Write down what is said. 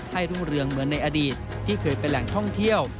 รุ่งเรืองเหมือนในอดีตที่เคยเป็นแหล่งท่องเที่ยว